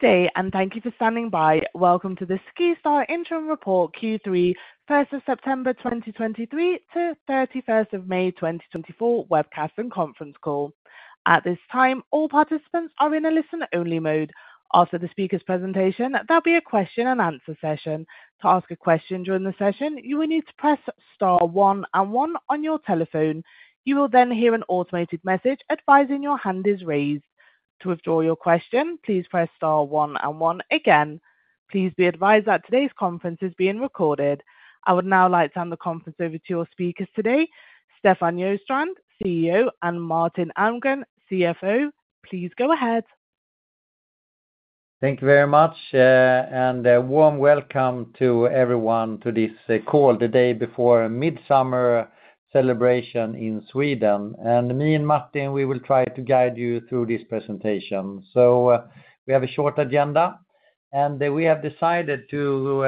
Good day, and thank you for standing by. Welcome to the SkiStar Interim Report Q3, first of September 2023 to 31st of May 2024, webcast and conference call. At this time, all participants are in a listen-only mode. After the speaker's presentation, there'll be a question and answer session. To ask a question during the session, you will need to press star one and one on your telephone. You will then hear an automated message advising your hand is raised. To withdraw your question, please press star one and one again. Please be advised that today's conference is being recorded. I would now like to hand the conference over to your speakers today, Stefan Sjöstrand, CEO, and Martin Almgren, CFO. Please go ahead. Thank you very much, and a warm welcome to everyone to this call, the day before Midsummer celebration in Sweden. And me and Martin, we will try to guide you through this presentation. So we have a short agenda, and we have decided to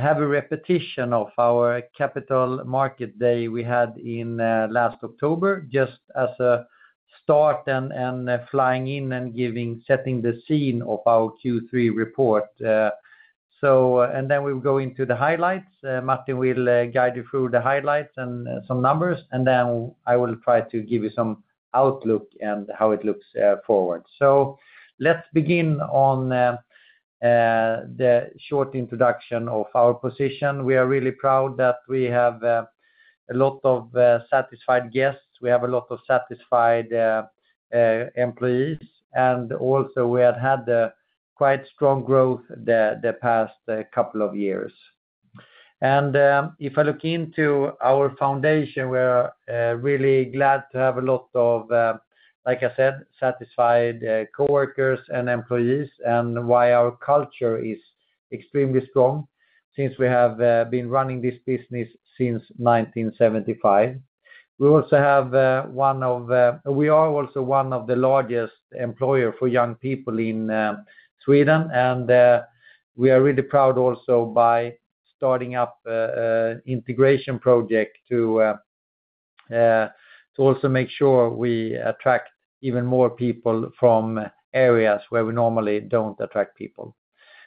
have a repetition of our capital market day we had in last October, just as a start and flying in and setting the scene of our Q3 report. So, and then we'll go into the highlights. Martin will guide you through the highlights and some numbers, and then I will try to give you some outlook and how it looks forward. So let's begin on the short introduction of our position. We are really proud that we have a lot of satisfied guests. We have a lot of satisfied employees, and also we have had a quite strong growth the past couple of years. If I look into our foundation, we're really glad to have a lot of, like I said, satisfied coworkers and employees, and why our culture is extremely strong since we have been running this business since 1975. We also have one of-- we are also one of the largest employer for young people in Sweden, and we are really proud also by starting up a integration project to also make sure we attract even more people from areas where we normally don't attract people.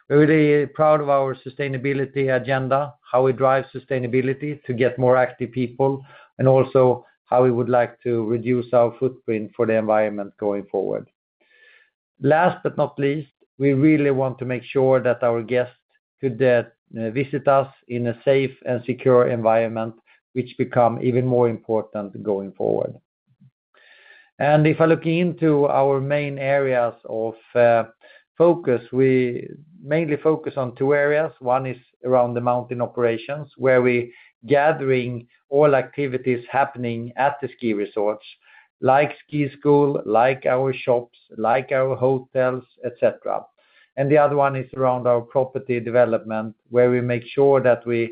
We're really proud of our sustainability agenda, how we drive sustainability to get more active people, and also how we would like to reduce our footprint for the environment going forward. Last but not least, we really want to make sure that our guests could visit us in a safe and secure environment, which become even more important going forward. If I look into our main areas of focus, we mainly focus on two areas. One is around the mountain operations, where we gathering all activities happening at the ski resorts, like ski school, like our shops, like our hotels, et cetera. The other one is around our property development, where we make sure that we're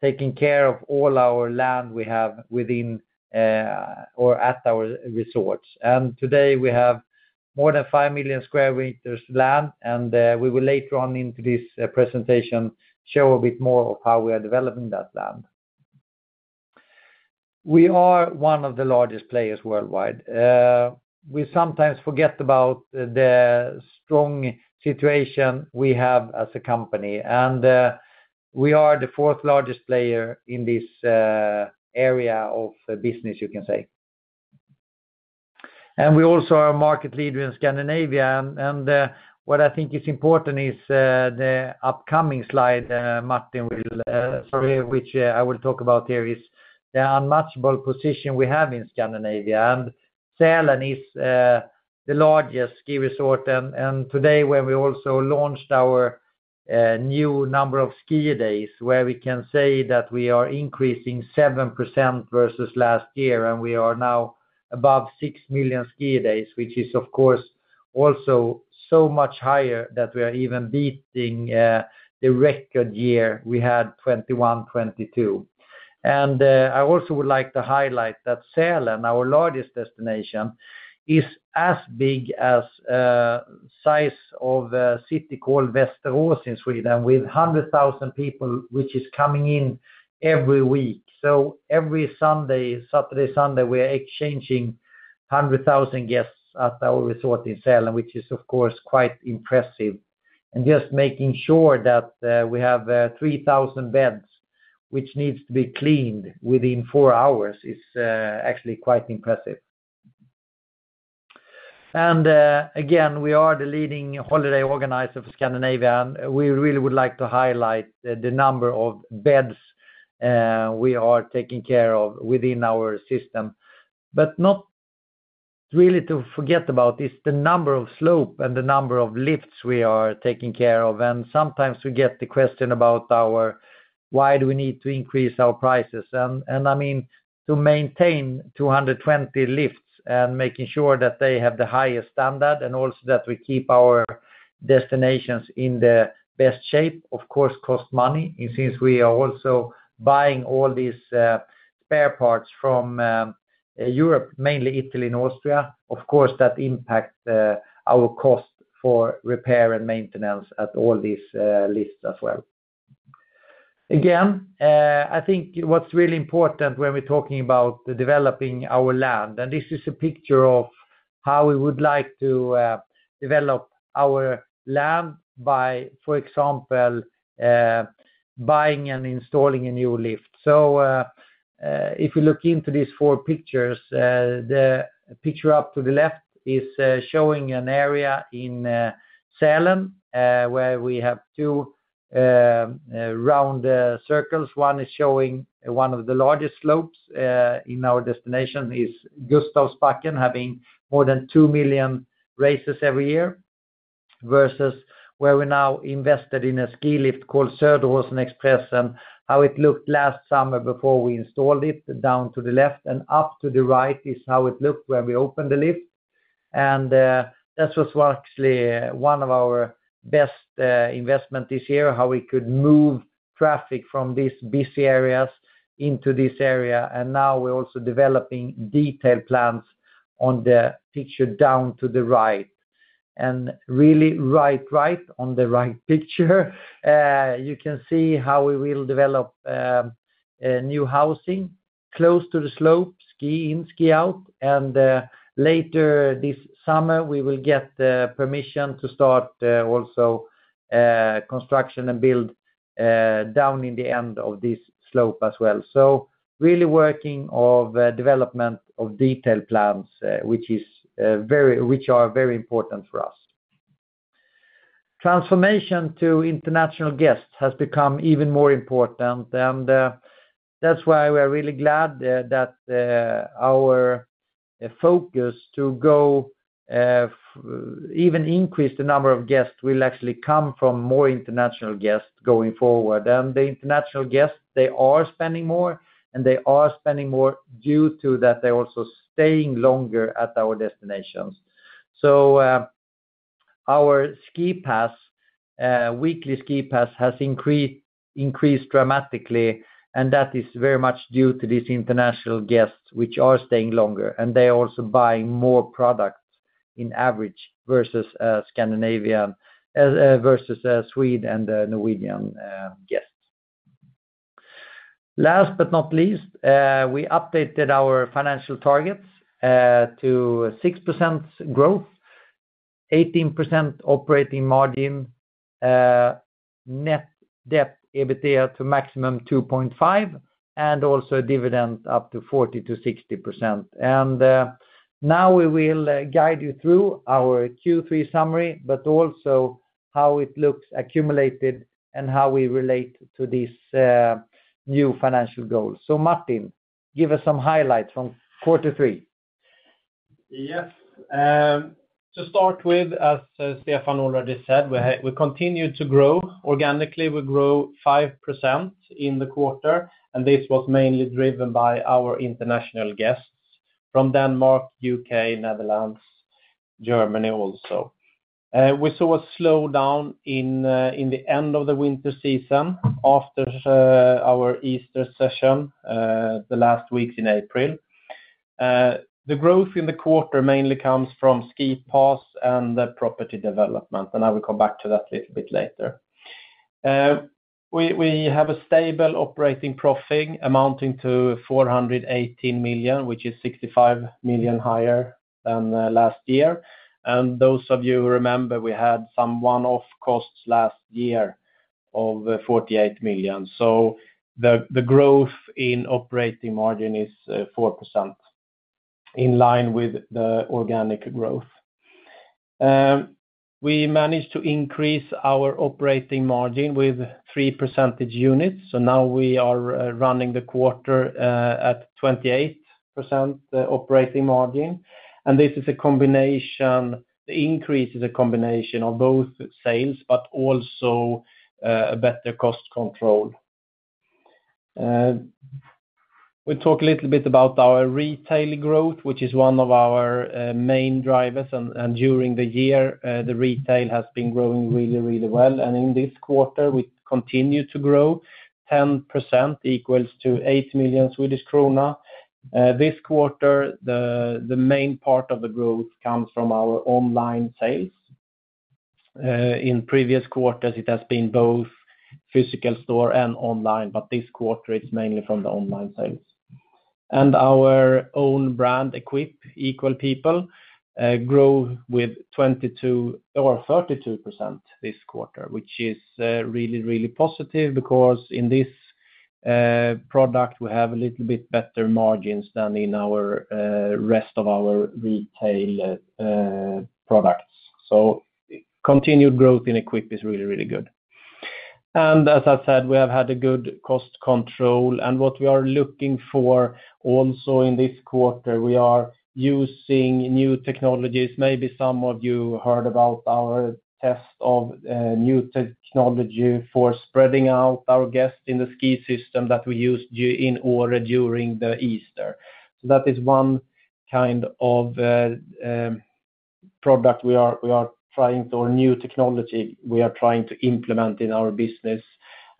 taking care of all our land we have within or at our resorts. Today, we have more than 5 million square meters land, and we will later on into this presentation show a bit more of how we are developing that land. We are one of the largest players worldwide. We sometimes forget about the strong situation we have as a company, and we are the fourth largest player in this area of business, you can say. We also are a market leader in Scandinavia, and what I think is important is the upcoming slide Martin will survey, which I will talk about here, is the unmatchable position we have in Scandinavia. Sälen is the largest ski resort, and today, when we also launched our new number of skier days, where we can say that we are increasing 7% versus last year, and we are now above 6 million skier days, which is, of course, also so much higher that we are even beating the record year we had 2021-2022. I also would like to highlight that Sälen, our largest destination, is as big as size of a city called Västerås in Sweden, with 100,000 people, which is coming in every week. So every Saturday, Sunday, we are exchanging 100,000 guests at our resort in Sälen, which is, of course, quite impressive. And just making sure that we have 3,000 beds, which needs to be cleaned within 4 hours, is actually quite impressive. Again, we are the leading holiday organizer for Scandinavia, and we really would like to highlight the number of beds we are taking care of within our system. But not really to forget about is the number of slope and the number of lifts we are taking care of. Sometimes we get the question about our, why do we need to increase our prices? I mean, to maintain 220 lifts and making sure that they have the highest standard, and also that we keep our destinations in the best shape, of course, costs money. Since we are also buying all these spare parts from Europe, mainly Italy and Austria, of course, that impact our cost for repair and maintenance at all these lifts as well. Again, I think what's really important when we're talking about the developing our land, and this is a picture of how we would like to develop our land by, for example, buying and installing a new lift. So, if you look into these 4 pictures, the picture up to the left is showing an area in Sälen, where we have 2 round circles. One is showing one of the largest slopes in our destination is Gustavsbacken, having more than 2 million races every year, versus where we now invested in a ski lift called Söderåsen Express, and how it looked last summer before we installed it, down to the left, and up to the right is how it looked when we opened the lift. That was actually one of our best investment this year, how we could move traffic from these busy areas into this area. Now we're also developing detailed plans on the picture down to the right. Really right on the right picture, you can see how we will develop new housing close to the slope, ski in, ski out. Later this summer, we will get the permission to start also construction and build down in the end of this slope as well. So really working of development of detailed plans, which are very important for us. Transformation to international guests has become even more important, and that's why we're really glad that our focus to go even increase the number of guests will actually come from more international guests going forward. And the international guests, they are spending more, and they are spending more due to that they're also staying longer at our destinations. So, our ski pass weekly ski pass has increased dramatically, and that is very much due to these international guests, which are staying longer, and they are also buying more products in average versus Scandinavian versus Sweden and the Norwegian guests. Last but not least, we updated our financial targets to 6% growth, 18% operating margin, net debt EBITDA to maximum 2.5, and also dividend up to 40%-60%. Now we will guide you through our Q3 summary, but also how it looks accumulated and how we relate to these new financial goals. Martin, give us some highlights from quarter three. Yes. To start with, as Stefan already said, we continued to grow. Organically, we grew 5% in the quarter, and this was mainly driven by our international guests from Denmark, UK, Netherlands, Germany also. We saw a slowdown in the end of the winter season after our Easter session, the last weeks in April. The growth in the quarter mainly comes from ski pass and the property development, and I will come back to that a little bit later. We have a stable operating profit amounting to 418 million, which is 65 million higher than last year. And those of you who remember, we had some one-off costs last year of 48 million. So the growth in operating margin is 4%, in line with the organic growth. We managed to increase our operating margin with 3 percentage units, so now we are running the quarter at 28%, the operating margin. This is a combination, the increase is a combination of both sales, but also a better cost control. We'll talk a little bit about our retail growth, which is one of our main drivers, and during the year the retail has been growing really, really well. In this quarter, we continued to grow. 10% equals to 8 million Swedish krona. This quarter, the main part of the growth comes from our online sales. In previous quarters, it has been both physical store and online, but this quarter, it's mainly from the online sales. And our own brand, EQPE, Equal People, grew with 22% or 32% this quarter, which is really, really positive because in this product, we have a little bit better margins than in our rest of our retail products. So continued growth in EQPE is really, really good. And as I said, we have had a good cost control, and what we are looking for also in this quarter, we are using new technologies. Maybe some of you heard about our test of new technology for spreading out our guests in the ski system that we used in order during the Easter. So that is one kind of product we are trying to or new technology we are trying to implement in our business.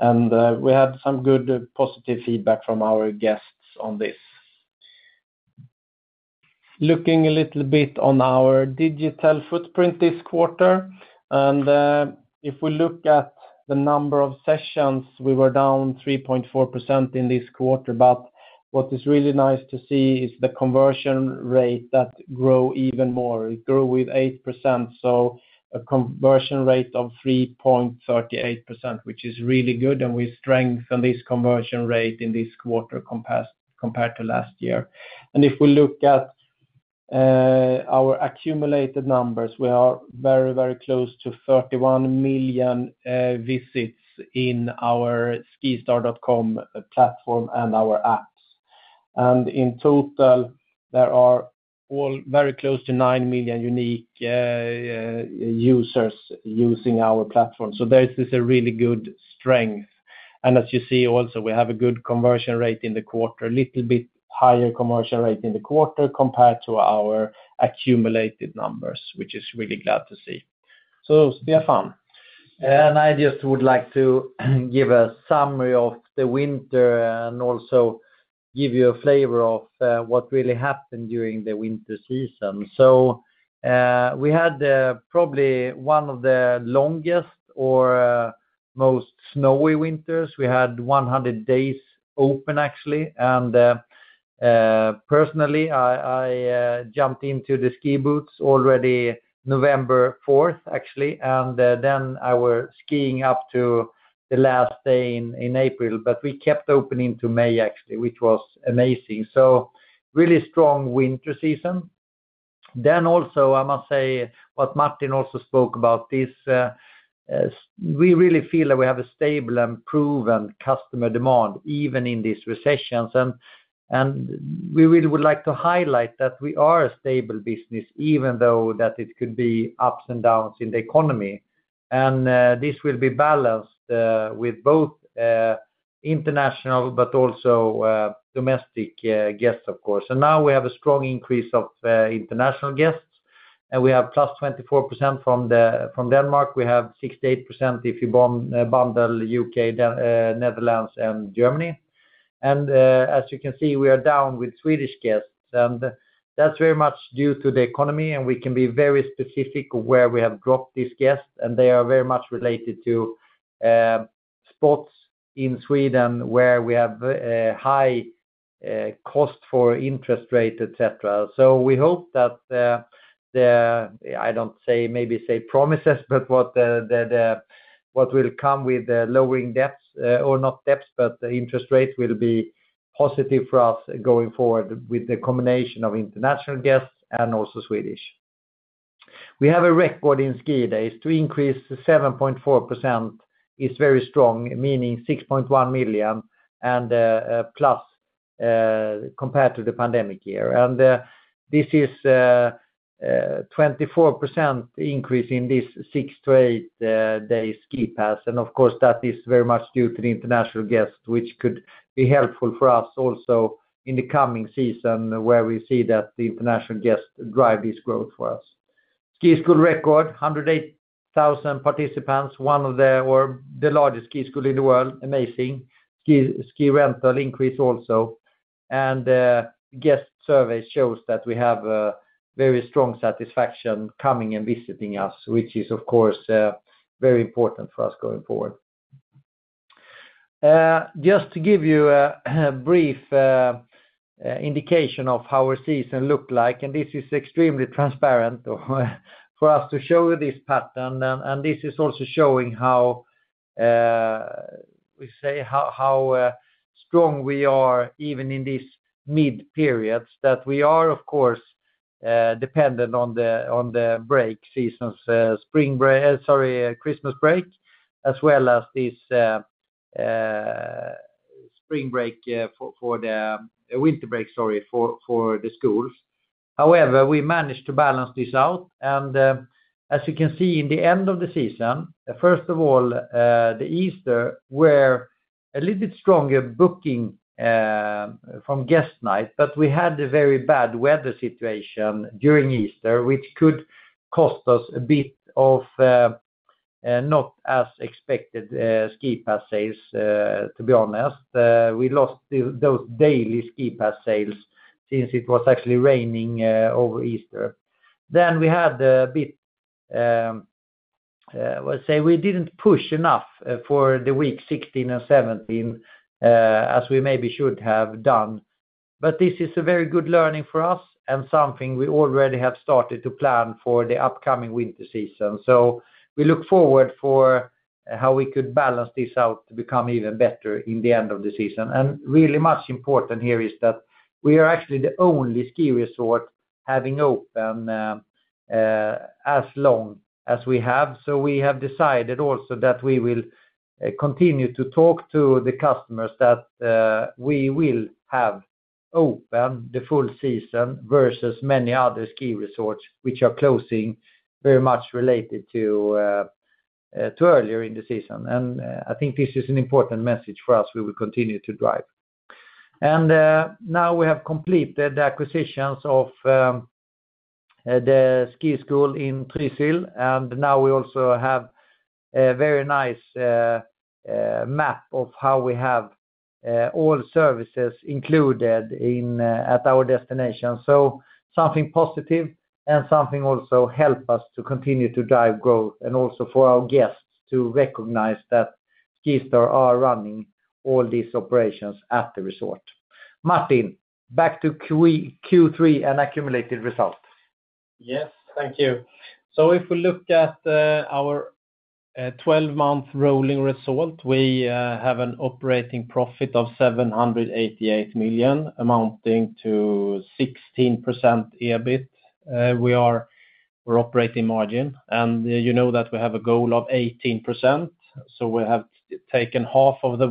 And we had some good positive feedback from our guests on this.... Looking a little bit on our digital footprint this quarter, and if we look at the number of sessions, we were down 3.4% in this quarter. But what is really nice to see is the conversion rate that grow even more. It grew with 8%, so a conversion rate of 3.38%, which is really good, and we strengthen this conversion rate in this quarter compared to last year. And if we look at our accumulated numbers, we are very, very close to 31 million visits in our skistar.com platform and our apps. And in total, there are all very close to 9 million unique users using our platform. So this is a really good strength. As you see also, we have a good conversion rate in the quarter, a little bit higher conversion rate in the quarter compared to our accumulated numbers, which is really glad to see. Sjöstrand. I just would like to give a summary of the winter and also give you a flavor of, what really happened during the winter season. So, we had, probably one of the longest or, most snowy winters. We had 100 days open, actually. And, personally, I jumped into the ski boots already November 4, actually, and then I were skiing up to the last day in April. But we kept open into May, actually, which was amazing. So really strong winter season. Then also, I must say, what Martin also spoke about this, we really feel that we have a stable and proven customer demand, even in this recessions. And we really would like to highlight that we are a stable business, even though that it could be ups and downs in the economy. This will be balanced with both international, but also domestic guests, of course. Now we have a strong increase of international guests, and we have +24% from Denmark. We have 68%, if you bundle UK, Denmark, Netherlands, and Germany. As you can see, we are down with Swedish guests, and that's very much due to the economy, and we can be very specific where we have dropped these guests, and they are very much related to spots in Sweden, where we have high cost for interest rate, et cetera. So we hope that, the, I don't say, maybe say promises, but what the, the, the, what will come with the lowering debts, or not debts, but the interest rate will be positive for us going forward with the combination of international guests and also Swedish. We have a record in ski days. To increase to 7.4% is very strong, meaning 6.1 million and, plus, compared to the pandemic year. And, this is, 24% increase in this 6-8 day ski pass. And of course, that is very much due to the international guests, which could be helpful for us also in the coming season, where we see that the international guests drive this growth for us. Ski school record, 108,000 participants, one of the or the largest ski school in the world, amazing. Ski rental increase also. And, guest survey shows that we have a very strong satisfaction coming and visiting us, which is, of course, very important for us going forward. Just to give you a brief indication of how our season looked like, and this is extremely transparent for us to show you this pattern. And this is also showing how we say how strong we are even in this mid-periods, that we are, of course, dependent on the break seasons, spring break, sorry, Christmas break, as well as this spring break, for the Winter break, sorry, for the schools. However, we managed to balance this out. As you can see in the end of the season, first of all, the Easter were a little bit stronger booking from guest night, but we had a very bad weather situation during Easter, which could cost us a bit of not as expected ski pass sales, to be honest. We lost the those daily ski pass sales since it was actually raining over Easter. Then we had a bit, let's say we didn't push enough for the week 16 or 17, as we maybe should have done. But this is a very good learning for us and something we already have started to plan for the upcoming winter season. So we look forward for how we could balance this out to become even better in the end of the season. Really much important here is that we are actually the only ski resort having open as long as we have. So we have decided also that we will continue to talk to the customers that we will have open the full season versus many other ski resorts, which are closing very much related to earlier in the season. I think this is an important message for us we will continue to drive. Now we have completed the acquisitions of the ski school in Trysil, and now we also have a very nice map of how we have all services included in at our destination. Something positive and something also help us to continue to drive growth and also for our guests to recognize that SkiStar are running all these operations at the resort. Martin, back to Q3, Q3 and accumulated results. Yes, thank you. So if we look at our twelve-month rolling result, we have an operating profit of 788 million, amounting to 16% EBIT. We are operating margin, and you know that we have a goal of 18%, so we have taken half of the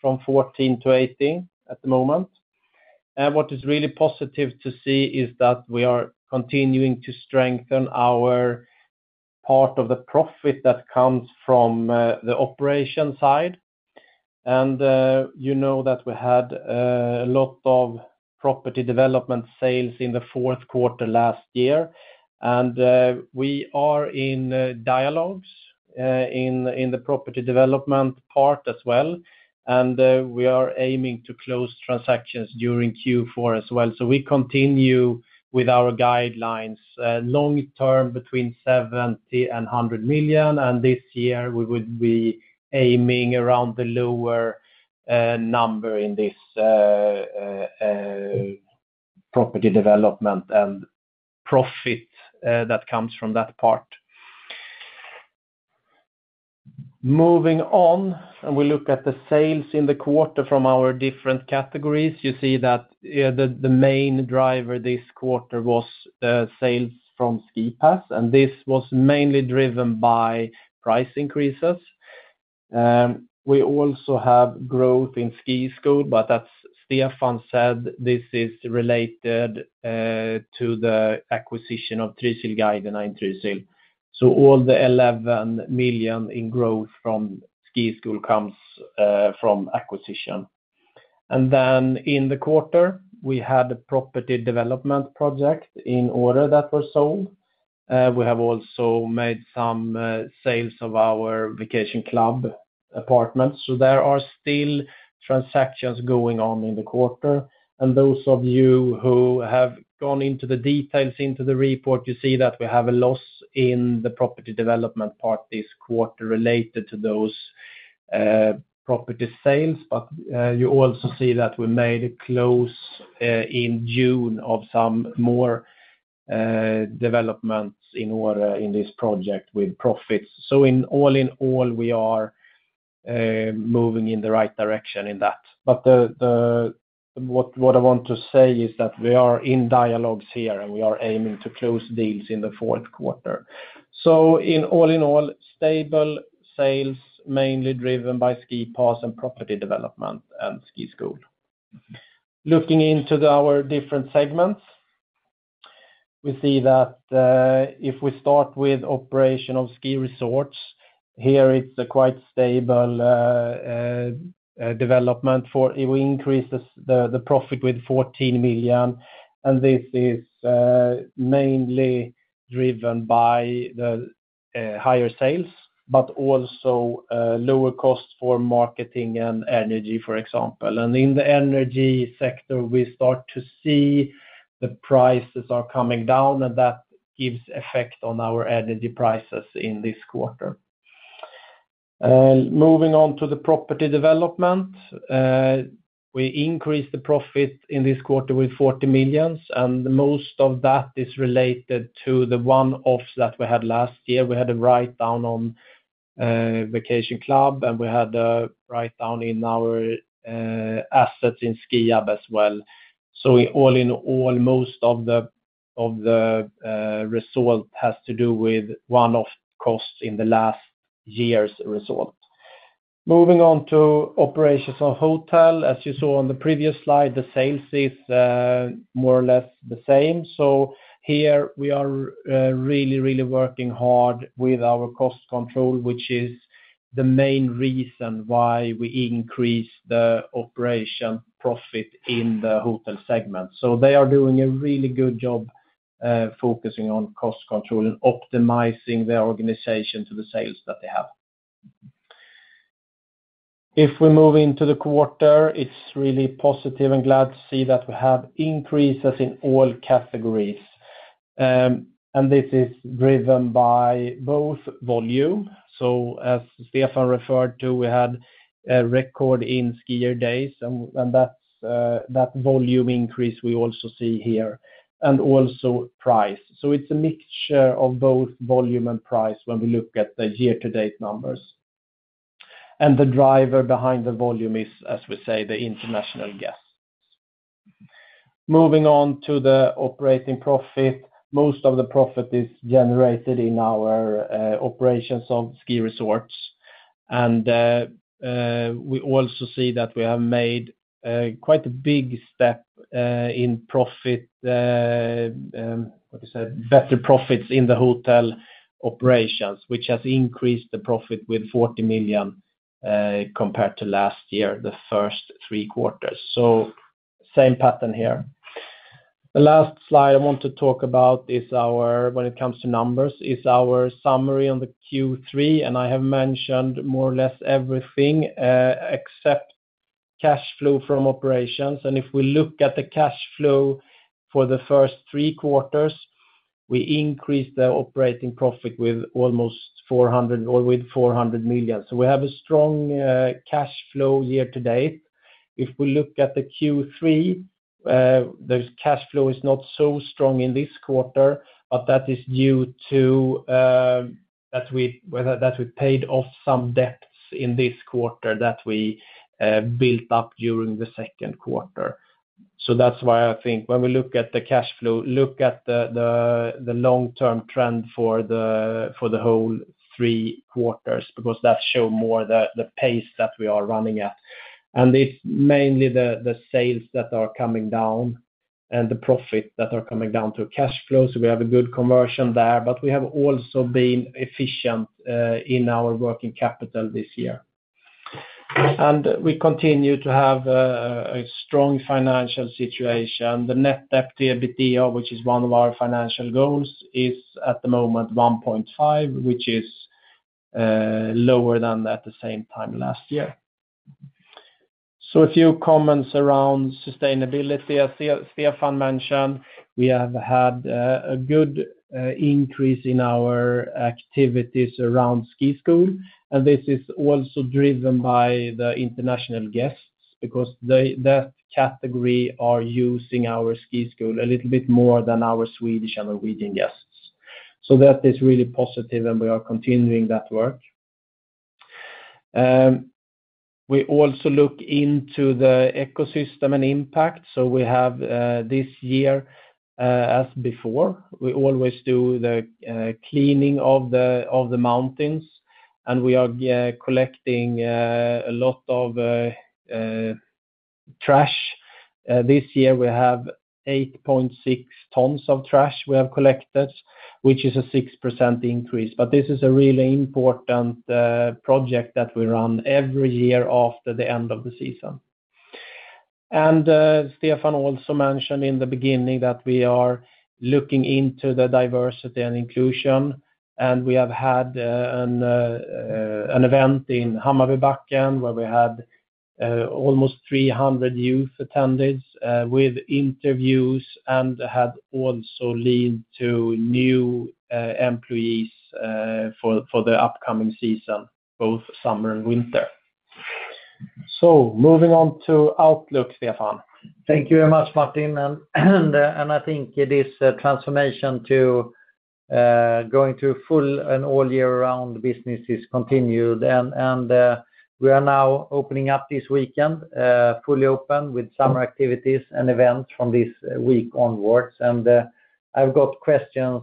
way from 14%-18% at the moment. And what is really positive to see is that we are continuing to strengthen our part of the profit that comes from the operation side. And you know that we had a lot of property development sales in the fourth quarter last year. And we are in dialogues in the property development part as well, and we are aiming to close transactions during Q4 as well. So we continue with our guidelines, long term between 70 million and 100 million, and this year we would be aiming around the lower number in this property development and profit that comes from that part. Moving on, we look at the sales in the quarter from our different categories. You see that the main driver this quarter was sales from ski pass, and this was mainly driven by price increases. We also have growth in ski school, but as Stefan said, this is related to the acquisition of Trysilguidene in Trysil. So all the 11 million in growth from ski school comes from acquisition. And then in the quarter, we had a property development project in order that was sold. We have also made some sales of our vacation club apartments. So there are still transactions going on in the quarter. And those of you who have gone into the details into the report, you see that we have a loss in the property development part this quarter related to those property sales. But you also see that we made it close in June of some more developments in order in this project with profits. So in all in all, we are moving in the right direction in that. But the – what I want to say is that we are in dialogues here, and we are aiming to close deals in the fourth quarter. So in all in all, stable sales, mainly driven by ski pass and property development and ski school. Looking into our different segments, we see that if we start with operational ski resorts, here it's a quite stable development for it increases the profit with 14 million, and this is mainly driven by the higher sales, but also lower costs for marketing and energy, for example. In the energy sector, we start to see the prices are coming down, and that gives effect on our energy prices in this quarter. Moving on to the property development, we increased the profit in this quarter with 40 millions, and most of that is related to the one-offs that we had last year. We had a write-down on vacation club, and we had a write-down in our assets in Skiab as well. So all in all, most of the result has to do with one-off costs in the last year's result. Moving on to operations of hotel, as you saw on the previous slide, the sales is more or less the same. So here we are really, really working hard with our cost control, which is the main reason why we increased the operation profit in the hotel segment. So they are doing a really good job focusing on cost control and optimizing their organization to the sales that they have. If we move into the quarter, it's really positive and glad to see that we have increases in all categories. And this is driven by both volume. So as Stefan referred to, we had a record in skier days, and that's that volume increase we also see here, and also price. So it's a mixture of both volume and price when we look at the year-to-date numbers. And the driver behind the volume is, as we say, the international guests. Moving on to the operating profit. Most of the profit is generated in our operations of ski resorts. And we also see that we have made quite a big step in profit. Better profits in the hotel operations, which has increased the profit with 40 million compared to last year, the first three quarters. So same pattern here. The last slide I want to talk about is our, when it comes to numbers, is our summary on the Q3, and I have mentioned more or less everything except cash flow from operations. If we look at the cash flow for the first three quarters, we increased the operating profit with almost 400 million, or with 400 million. So we have a strong cash flow year to date. If we look at the Q3, those cash flow is not so strong in this quarter, but that is due to that we, well, that we paid off some debts in this quarter that we built up during the second quarter. So that's why I think when we look at the cash flow, look at the long-term trend for the whole three quarters, because that show more the pace that we are running at. And it's mainly the sales that are coming down and the profit that are coming down through cash flows. We have a good conversion there, but we have also been efficient in our working capital this year. We continue to have a strong financial situation. The net debt to EBITDA, which is one of our financial goals, is at the moment 1.5, which is lower than at the same time last year. A few comments around sustainability. As Stefan mentioned, we have had a good increase in our activities around ski school, and this is also driven by the international guests, because they, that category are using our ski school a little bit more than our Swedish and Norwegian guests. That is really positive, and we are continuing that work. We also look into the ecosystem and impact. So we have this year, as before, we always do the cleaning of the mountains, and we are collecting a lot of trash. This year, we have 8.6 tons of trash we have collected, which is a 6% increase. But this is a really important project that we run every year after the end of the season. Stefan also mentioned in the beginning that we are looking into the diversity and inclusion, and we have had an event in Hammarbybacken, where we had almost 300 youth attendance with interviews and had also led to new employees for the upcoming season, both summer and winter. So moving on to outlook, Stefan. Thank you very much, Martin, and I think this transformation to going to full and all year round business is continued. And we are now opening up this weekend, fully open with summer activities and events from this week onwards. And I've got questions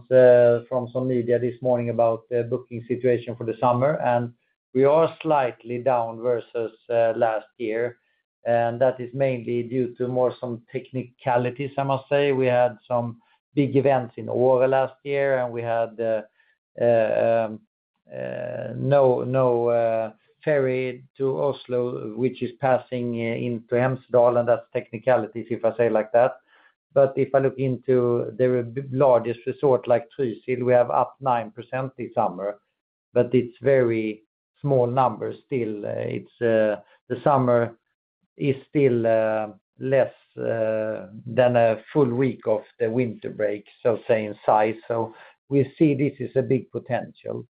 from some media this morning about the booking situation for the summer, and we are slightly down versus last year. And that is mainly due to more some technicalities, I must say. We had some big events in Åre last year, and we had no ferry to Oslo, which is passing into Hemsedal, and that's technicalities, if I say like that. But if I look into the largest resort, like Trysil, we have up 9% this summer, but it's very small numbers still. It's the summer is still less than a full week of the winter break, so say in size. So we see this is a big potential.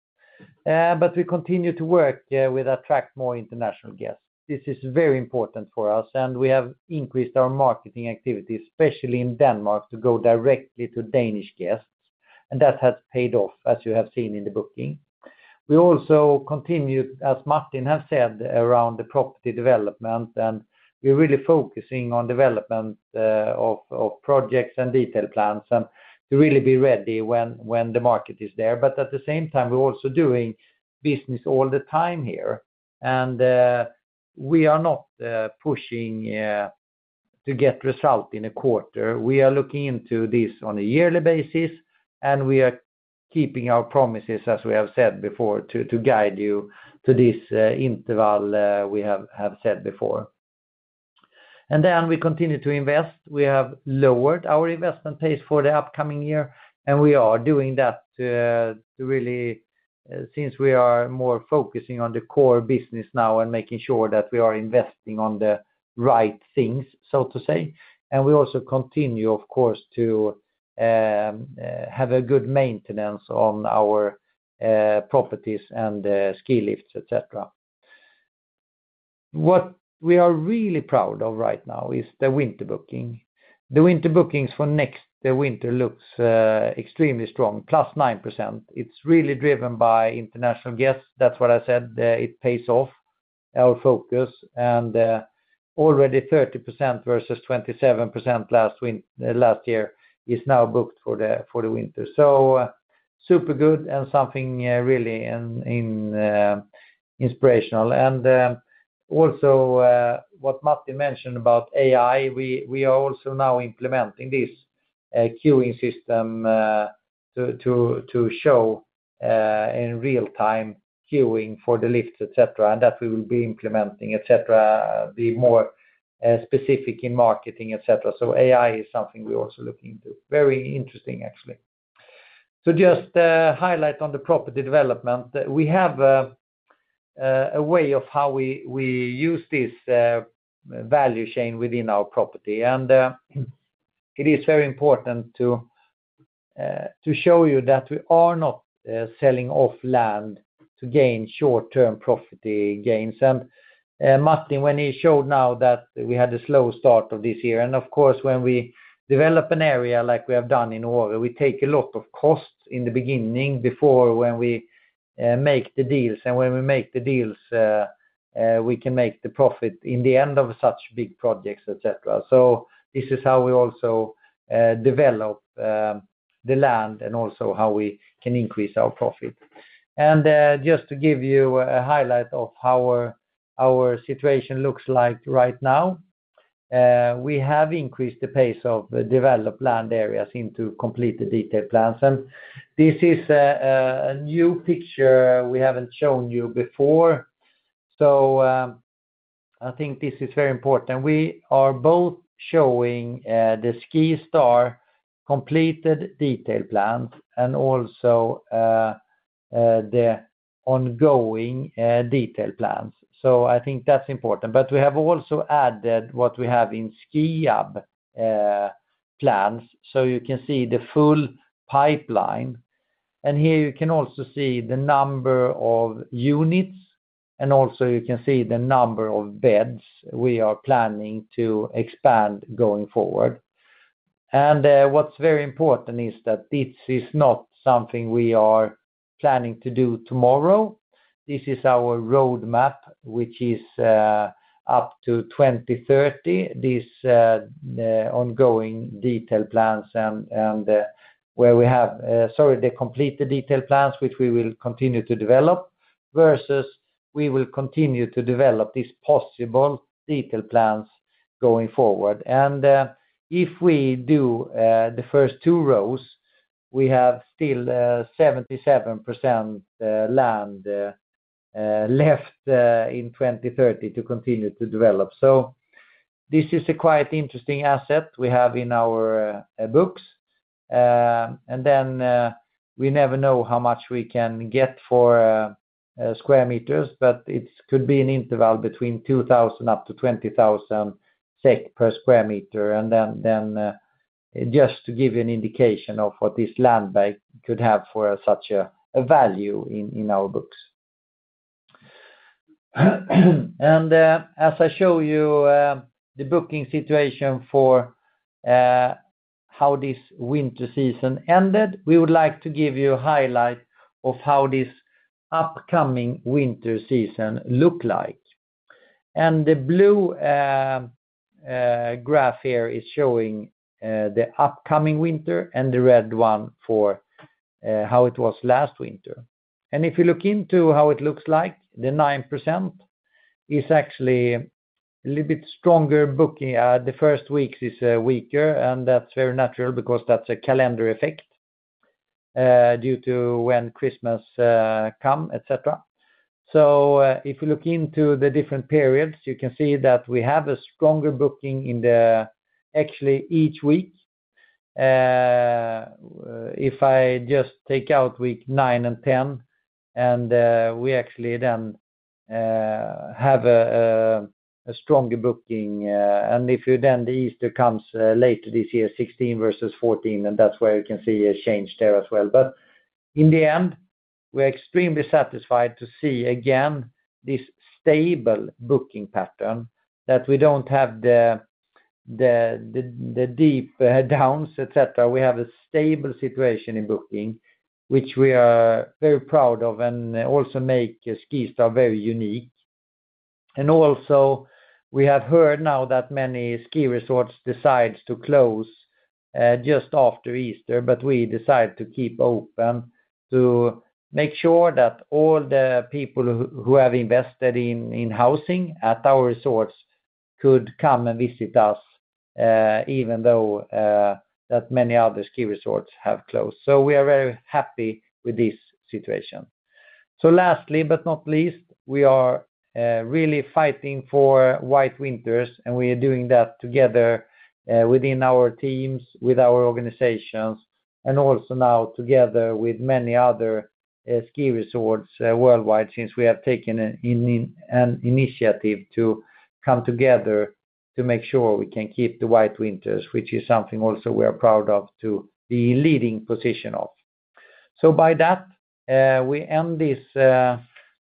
But we continue to work with attract more international guests. This is very important for us, and we have increased our marketing activities, especially in Denmark, to go directly to Danish guests, and that has paid off, as you have seen in the booking. We also continue, as Martin has said, around the property development, and we're really focusing on development of projects and detailed plans and to really be ready when the market is there. But at the same time, we're also doing business all the time here, and we are not pushing to get result in a quarter. We are looking into this on a yearly basis, and we are keeping our promises, as we have said before, to guide you to this interval, we have said before. Then we continue to invest. We have lowered our investment pace for the upcoming year, and we are doing that to really, since we are more focusing on the core business now and making sure that we are investing on the right things, so to say. We also continue, of course, to have a good maintenance on our properties and ski lifts, etc. What we are really proud of right now is the winter booking. The winter bookings for next winter looks extremely strong, +9%. It's really driven by international guests. That's what I said, it pays off our focus, and already 30% versus 27% last year is now booked for the winter. So super good and something really inspiring. Also, what Martin mentioned about AI, we are also now implementing this. A queuing system to show in real time queuing for the lifts, et cetera, and that we will be implementing, et cetera, be more specific in marketing, et cetera. So AI is something we're also looking into. Very interesting, actually. So just a highlight on the property development. We have a way of how we use this value chain within our property. It is very important to show you that we are not selling off land to gain short-term profit gains. Martin, when he showed now that we had a slow start of this year, and of course, when we develop an area like we have done in Åre, we take a lot of costs in the beginning before when we make the deals. When we make the deals, we can make the profit in the end of such big projects, et cetera. So this is how we also develop the land and also how we can increase our profit. Just to give you a highlight of how our situation looks like right now, we have increased the pace of developed land areas into completed detailed plans. This is a new picture we haven't shown you before, so I think this is very important. We are both showing the SkiStar completed detailed plans and also the ongoing detailed plans. So I think that's important. But we have also added what we have in Skiab plans, so you can see the full pipeline. And here you can also see the number of units, and also you can see the number of beds we are planning to expand going forward. And what's very important is that this is not something we are planning to do tomorrow. This is our roadmap, which is up to 2030. These ongoing detailed plans and where we have the completed detailed plans, which we will continue to develop, versus we will continue to develop these possible detailed plans going forward. If we do the first two rows, we have still 77% land left in 2030 to continue to develop. So this is a quite interesting asset we have in our books. And then we never know how much we can get for square meters, but it could be an interval between 2,000 up to 20,000 SEK per square meter. And then just to give you an indication of what this land bank could have for such a value in our books. As I show you the booking situation for how this winter season ended, we would like to give you a highlight of how this upcoming winter season look like. The blue graph here is showing the upcoming winter, and the red one for how it was last winter. If you look into how it looks like, the 9% is actually a little bit stronger booking. The first weeks is weaker, and that's very natural because that's a calendar effect due to when Christmas come, et cetera. So if you look into the different periods, you can see that we have a stronger booking in the actually each week. If I just take out week 9 and 10, and we actually then have a stronger booking, and if you then, the Easter comes late this year, 16 versus 14, and that's where you can see a change there as well. But in the end, we're extremely satisfied to see again this stable booking pattern, that we don't have the deep downs, et cetera. We have a stable situation in booking, which we are very proud of and also make SkiStar very unique. Also, we have heard now that many ski resorts decide to close just after Easter, but we decide to keep open to make sure that all the people who have invested in housing at our resorts could come and visit us, even though that many other ski resorts have closed. So we are very happy with this situation. So lastly, but not least, we are really fighting for white winters, and we are doing that together within our teams, with our organizations, and also now together with many other ski resorts worldwide, since we have taken an initiative to come together to make sure we can keep the white winters, which is something also we are proud of to be in leading position of. So by that, we end this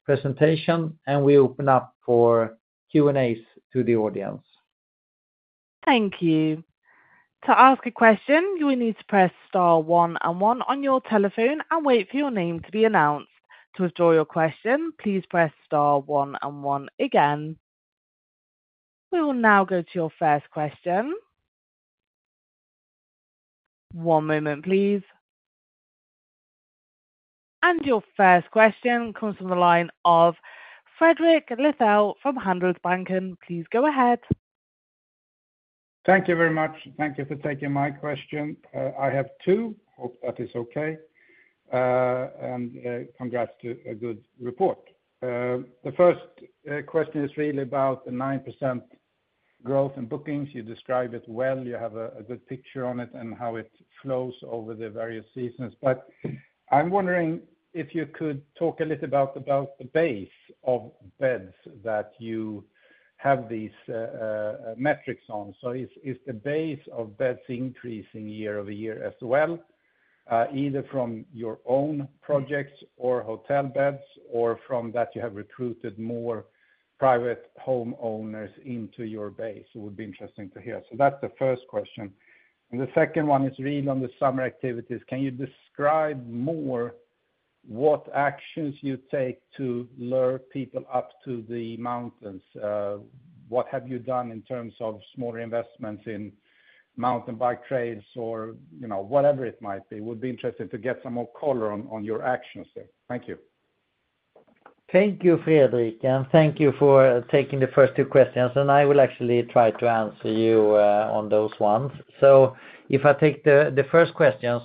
presentation, and we open up for Q&As to the audience. Thank you. To ask a question, you will need to press star one and one on your telephone and wait for your name to be announced. To withdraw your question, please press star one and one again. We will now go to your first question. One moment, please.... Your first question comes from the line of Fredrik Lithell from Handelsbanken. Please go ahead. Thank you very much. Thank you for taking my question. I have two. Hope that is okay. And congrats to a good report. The first question is really about the 9% growth in bookings. You describe it well, you have a good picture on it and how it flows over the various seasons. But I'm wondering if you could talk a little about the base of beds that you have these metrics on. So is the base of beds increasing year-over-year as well, either from your own projects or hotel beds, or from that you have recruited more private home owners into your base? It would be interesting to hear. So that's the first question. And the second one is really on the summer activities. Can you describe more what actions you take to lure people up to the mountains? What have you done in terms of smaller investments in mountain bike trails or, you know, whatever it might be? Would be interesting to get some more color on, on your actions there. Thank you. Thank you, Fredrik, and thank you for taking the first two questions, and I will actually try to answer you on those ones. So if I take the first questions,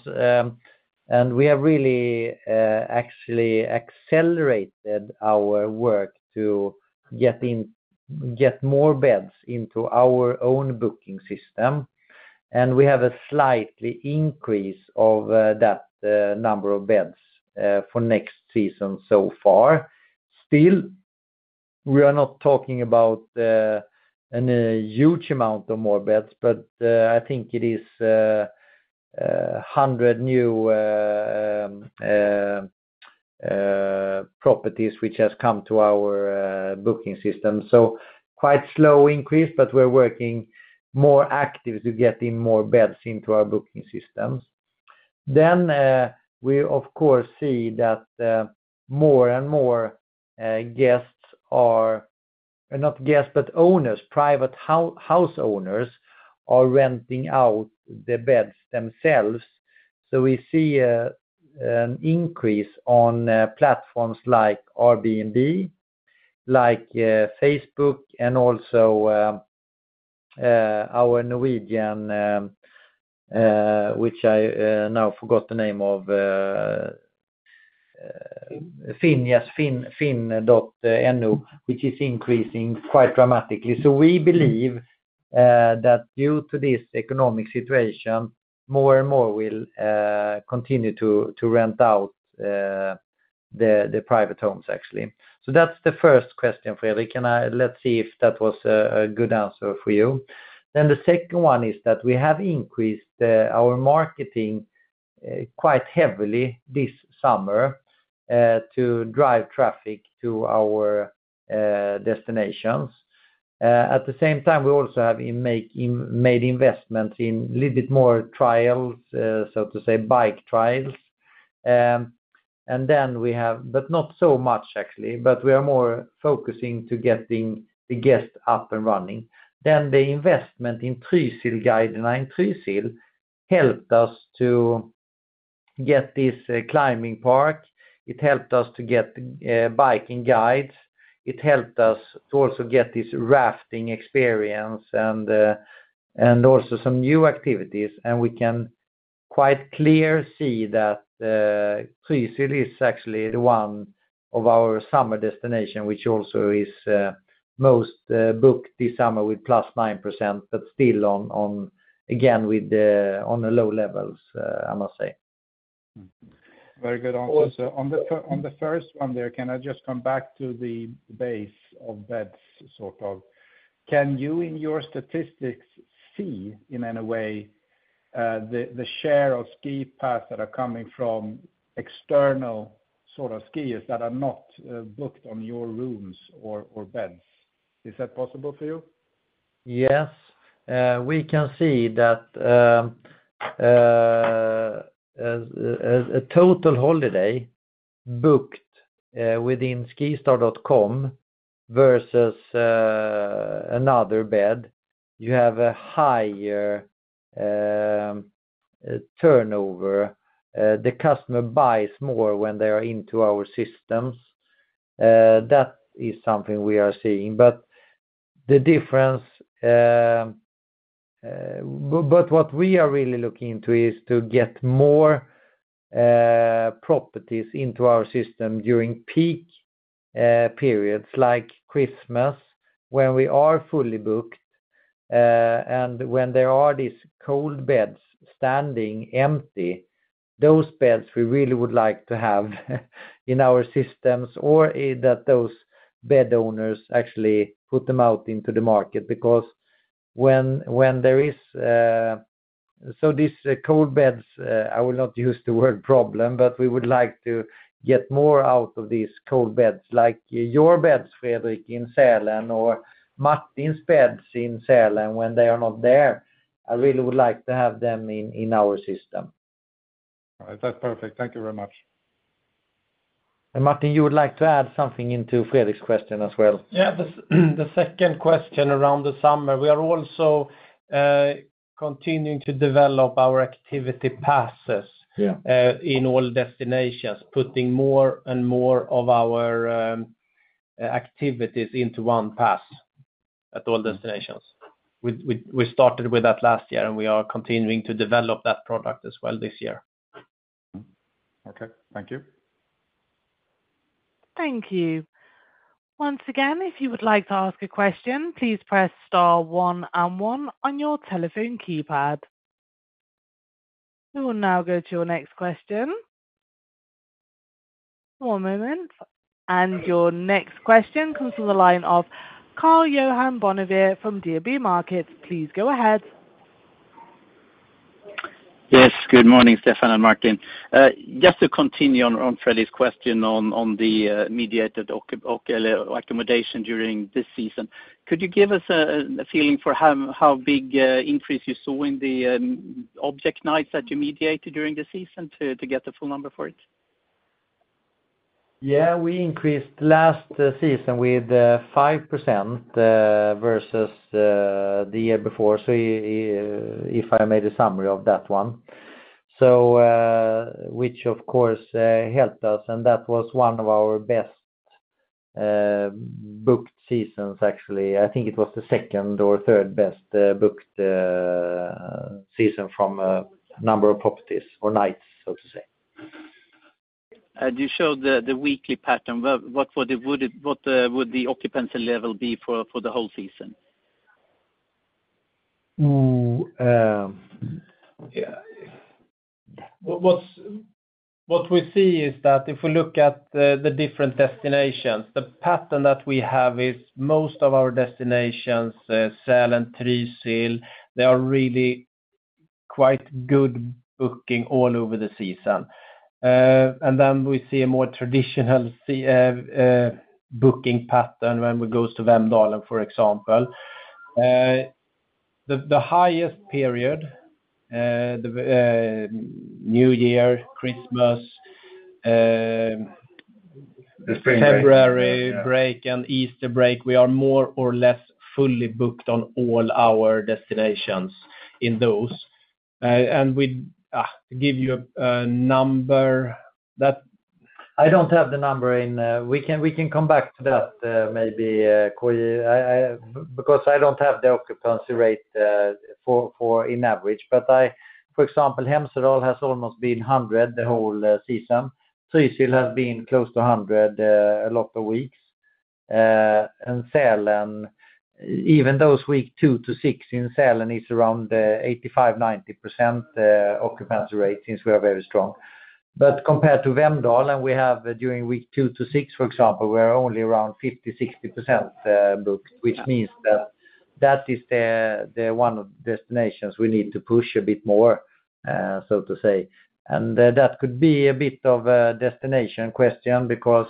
and we have really actually accelerated our work to get more beds into our own booking system, and we have a slight increase of that number of beds for next season so far. Still, we are not talking about any huge amount of more beds, but I think it is 100 new properties which has come to our booking system. So quite slow increase, but we're working more active to get in more beds into our booking systems. Then, we of course see that, more and more, guests are—not guests, but owners, private house owners are renting out the beds themselves. So we see a, an increase on, platforms like Airbnb, like, Facebook, and also, our Norwegian, which I, now forgot the name of, Finn, yes, Finn.no, which is increasing quite dramatically. So we believe, that due to this economic situation, more and more will, continue to rent out, the private homes, actually. So that's the first question, Fredrik, and I—let's see if that was a good answer for you. Then the second one is that we have increased, our marketing, quite heavily this summer, to drive traffic to our, destinations. At the same time, we also have made investments in a little bit more trials, so to say, bike trails. And then we have—but not so much actually, but we are more focusing to getting the guests up and running. Then the investment in Trysilguidene, Trysil, helped us to get this climbing park. It helped us to get biking guides. It helped us to also get this rafting experience and also some new activities, and we can quite clear see that Trysil is actually the one of our summer destination, which also is most booked this summer with +9%, but still on, on, again, on the low levels, I must say. Very good answer. On the first one there, can I just come back to the base of beds, sort of? Can you, in your statistics, see, in any way, the share of ski passes that are coming from external sort of skiers that are not booked on your rooms or beds? Is that possible for you? Yes. We can see that, as a total holiday booked within skistar.com versus another bed, you have a higher turnover. The customer buys more when they are into our systems. That is something we are seeing. But the difference, what we are really looking into is to get more properties into our system during peak periods like Christmas, where we are fully booked, and when there are these cold beds standing empty, those beds we really would like to have in our systems, or that those bed owners actually put them out into the market. Because when there is... So these cold beds, I will not use the word problem, but we would like to get more out of these cold beds, like your beds, Fredrik, in Sälen, or Martin's beds in Sälen, when they are not there. I really would like to have them in our system. All right. That's perfect. Thank you very much. ... Martin, you would like to add some thing into Fredrik's question as well? Yeah, the second question around the summer, we are also continuing to develop our activity passes. Yeah, in all destinations, putting more and more of our activities into one pass at all destinations. We started with that last year, and we are continuing to develop that product as well this year. Mm-hmm. Okay. Thank you. Thank you. Once again, if you would like to ask a question, please press star one and one on your telephone keypad. We will now go to your next question. One moment, and your next question comes from the line of Karl-Johan Bonnevier from DNB Markets. Please go ahead. Yes, good morning, Stefan and Martin. Just to continue on, on Fredrik's question on, on the mediated occupancy or accommodation during this season, could you give us a feeling for how big an increase you saw in the object nights that you mediated during the season to get the full number for it? Yeah, we increased last season with 5%, versus the year before. So if I made a summary of that one. So, which of course helped us, and that was one of our best booked seasons, actually. I think it was the second or third best booked season from a number of properties or nights, so to say. You showed the weekly pattern. What would the occupancy level be for the whole season? What we see is that if we look at the different destinations, the pattern that we have is most of our destinations, Sälen and Trysil, they are really quite good booking all over the season. And then we see a more traditional booking pattern when we go to Vemdalen, for example. The highest period, New Year, Christmas, the spring break, February break and Easter break, we are more or less fully booked on all our destinations in those. And we give you a number that I don't have the number in, we can come back to that, maybe, K-J I, because I don't have the occupancy rate for on average, but for example, Hemsedal has almost been 100 the whole season. Trysil has been close to 100 a lot of weeks. And Sälen, even those weeks 2 to 6 in Sälen is around 85%-90% occupancy rate, since we are very strong. But compared to Vemdalen, we have during weeks 2 to 6, for example, we are only around 50%-60% booked, which means that that is the one of the destinations we need to push a bit more, so to say. And that could be a bit of a destination question, because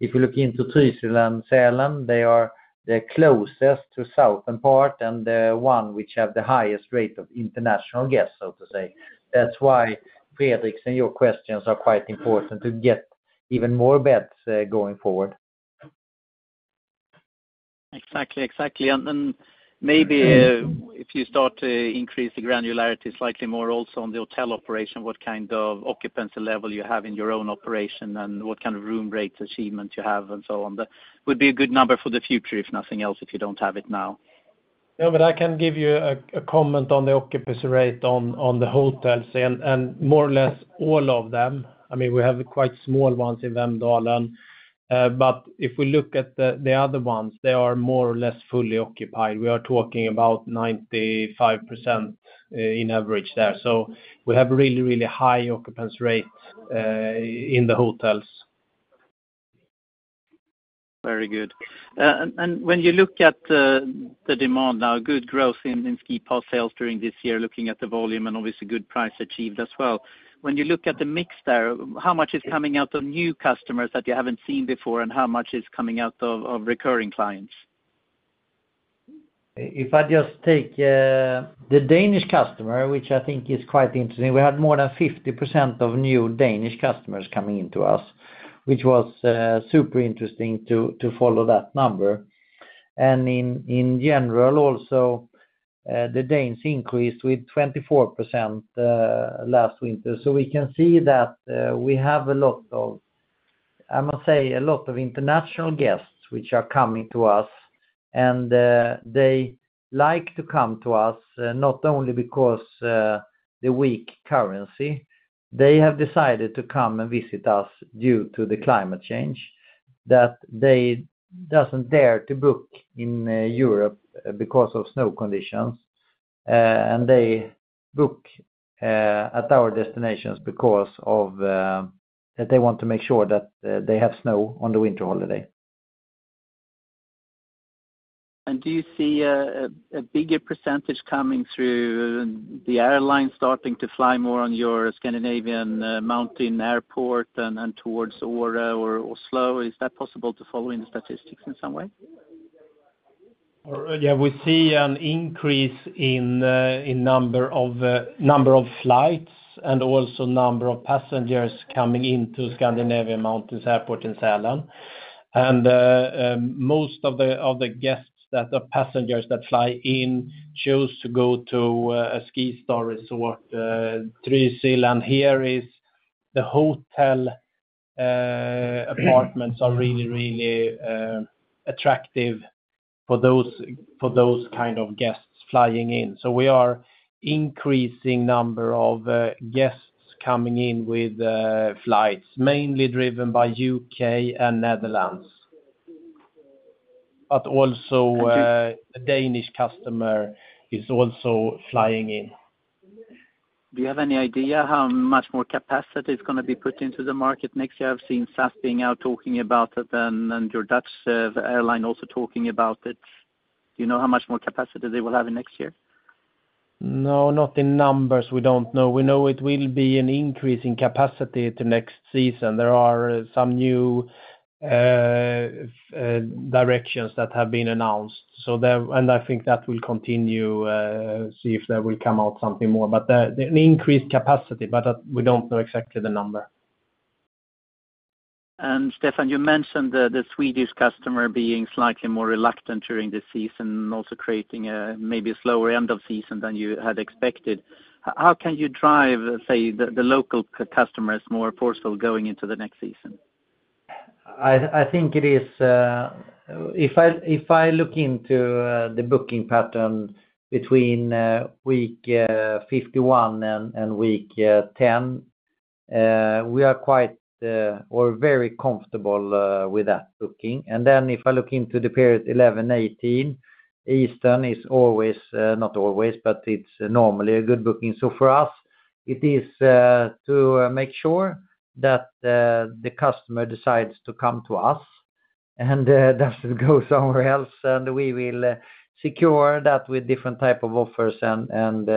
if you look into Trysil and Sälen, they are the closest to southern part and one which have the highest rate of international guests, so to say. That's why Fredrik's and your questions are quite important to get even more beds, going forward. Exactly, exactly. And then maybe, if you start to increase the granularity slightly more also on the hotel operation, what kind of occupancy level you have in your own operation, and what kind of room rate achievement you have, and so on, that would be a good number for the future, if nothing else, if you don't have it now. Yeah, but I can give you a comment on the occupancy rate on the hotels, and more or less all of them. I mean, we have quite small ones in Vemdalen, but if we look at the other ones, they are more or less fully occupied. We are talking about 95%, on average there. So we have really, really high occupancy rate in the hotels. Very good. And when you look at the demand now, good growth in ski pass sales during this year, looking at the volume and obviously good price achieved as well. When you look at the mix there, how much is coming out of new customers that you haven't seen before, and how much is coming out of recurring clients? If I just take the Danish customer, which I think is quite interesting, we had more than 50% of new Danish customers coming into us, which was super interesting to follow that number. And in general, also, the Danes increased with 24% last winter. So we can see that we have a lot of, I must say, a lot of international guests which are coming to us, and they like to come to us not only because the weak currency. They have decided to come and visit us due to the climate change, that they doesn't dare to book in Europe because of snow conditions. And they book at our destinations because of that they want to make sure that they have snow on the winter holiday. Do you see a bigger percentage coming through the airline starting to fly more on your Scandinavia Mountains Airport and towards Åre or Oslo? Is that possible to follow in the statistics in some way?... Yeah, we see an increase in number of flights and also number of passengers coming into Scandinavia Mountains Airport in Sälen. And, most of the guests that are passengers that fly in choose to go to a SkiStar resort, Trysil, and here is the hotel apartments are really, really attractive for those kind of guests flying in. So we are increasing number of guests coming in with flights, mainly driven by UK and Netherlands. But also, a Danish customer is also flying in. Do you have any idea how much more capacity is gonna be put into the market next year? I've seen SAS being out talking about it, and your Dutch airline also talking about it. Do you know how much more capacity they will have in next year? No, not in numbers, we don't know. We know it will be an increase in capacity the next season. There are some new directions that have been announced. And I think that will continue, see if that will come out something more. But the increased capacity, but we don't know exactly the number. Stefan, you mentioned the Swedish customer being slightly more reluctant during the season, also creating maybe a slower end of season than you had expected. How can you drive, say, the local customers more forceful going into the next season? I think it is. If I look into the booking pattern between week 51 and week 10, we are quite or very comfortable with that booking. And then if I look into the period 11, 18, Eastern is always not always, but it's normally a good booking. So for us, it is to make sure that the customer decides to come to us and doesn't go somewhere else, and we will secure that with different type of offers and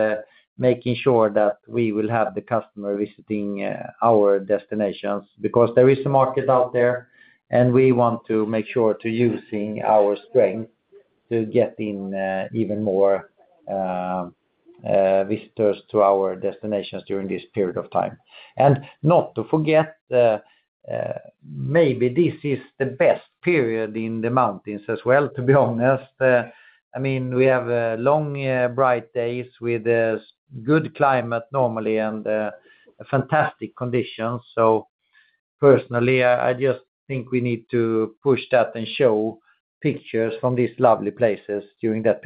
making sure that we will have the customer visiting our destinations. Because there is a market out there, and we want to make sure to using our strength to get in even more visitors to our destinations during this period of time. Not to forget, maybe this is the best period in the mountains as well, to be honest. I mean, we have long bright days with good climate normally and fantastic conditions. So personally, I just think we need to push that and show pictures from these lovely places during that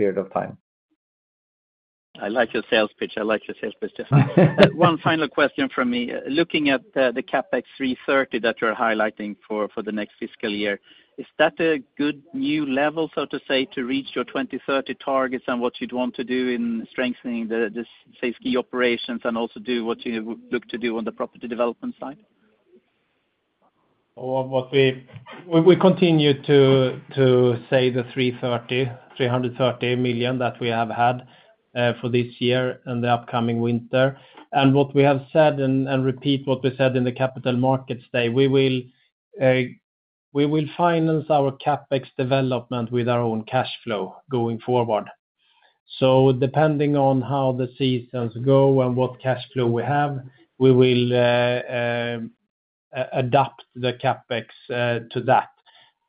period of time. I like your sales pitch. I like your sales pitch, Stefan. One final question from me. Looking at the CapEx 330 that you're highlighting for the next fiscal year, is that a good new level, so to say, to reach your 2030 targets and what you'd want to do in strengthening the, say, ski operations and also do what you look to do on the property development side? Well, what we continue to say is the 330 million that we have had for this year and the upcoming winter. And what we have said and repeat what we said in the Capital Markets Day, we will finance our CapEx development with our own cash flow going forward. So depending on how the seasons go and what cash flow we have, we will adapt the CapEx to that.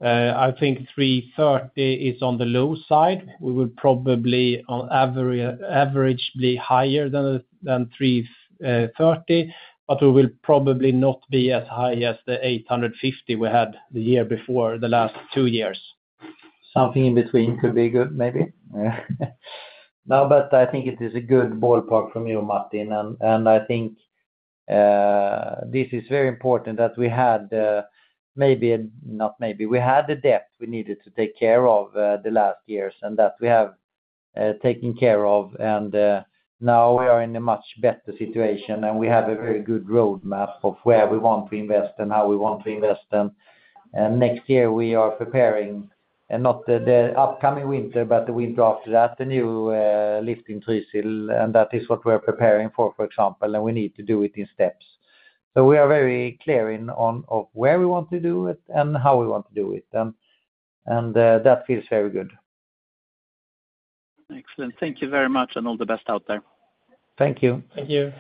I think 330 is on the low side. We will probably on average higher than 330, but we will probably not be as high as the 850 we had the year before, the last two years. Something in between could be good, maybe? No, but I think it is a good ballpark from you, Martin. And I think this is very important that we had, maybe, not maybe, we had the debt we needed to take care of, the last years, and that we have taken care of. And now we are in a much better situation, and we have a very good roadmap of where we want to invest and how we want to invest. And next year, we are preparing, and not the upcoming winter, but the winter after that, the new lifting Trysil, and that is what we're preparing for, for example, and we need to do it in steps. So we are very clear on where we want to do it and how we want to do it, and that feels very good. Excellent. Thank you very much, and all the best out there. Thank you. Thank you.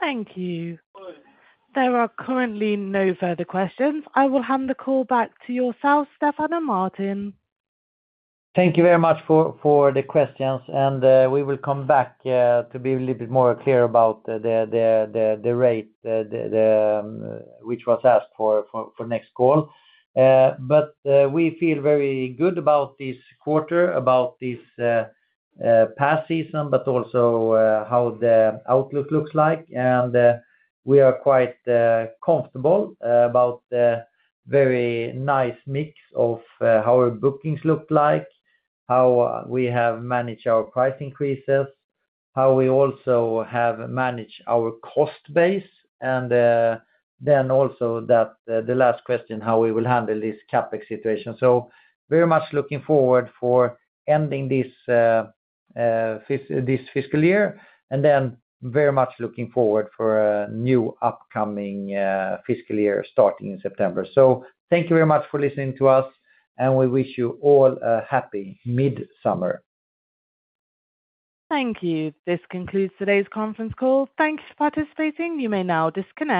Thank you. There are currently no further questions. I will hand the call back to yourself, Stefan and Martin. Thank you very much for the questions, and we will come back to be a little bit more clear about the rate which was asked for next call. But we feel very good about this quarter, about this past season, but also how the outlook looks like. And we are quite comfortable about the very nice mix of how our bookings look like, how we have managed our price increases, how we also have managed our cost base, and then also that the last question, how we will handle this CapEx situation. So very much looking forward for ending this fiscal year, and then very much looking forward for a new upcoming fiscal year starting in September. Thank you very much for listening to us, and we wish you all a happy midsummer. Thank you. This concludes today's conference call. Thank you for participating. You may now disconnect.